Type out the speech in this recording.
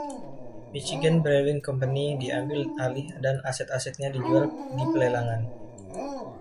Michigan Brewing Company diambil alih dan aset-asetnya dijual di pelelangan.